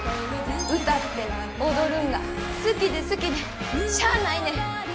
歌って踊るんが好きで好きでしゃあないねん。